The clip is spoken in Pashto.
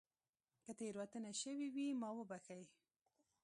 که تېروتنه شوې وي ما وبښئ